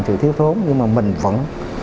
sự thiếu thốn nhưng mà mình vẫn